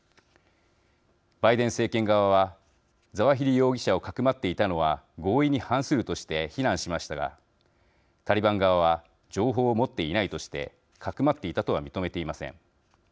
バイデン政権側はザワヒリ容疑者をかくまっていたのは合意に反するとして非難しましたがタリバン側は情報を持っていないとしてかくまっていたとは認めていません。